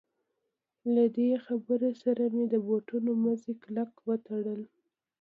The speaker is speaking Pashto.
له دې خبرې سره مې د بوټونو مزي کلک وتړل.